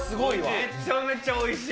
めちゃめちゃおいしい。